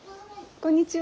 こんにちは。